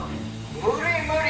無理無理！